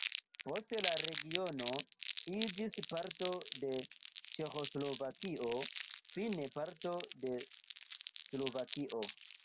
Poste la regiono iĝis parto de Ĉeĥoslovakio, fine parto de Slovakio.